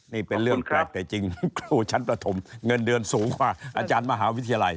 นี่เป็นเรื่องแปลกแต่จริงครูชั้นประถมเงินเดือนสูงกว่าอาจารย์มหาวิทยาลัย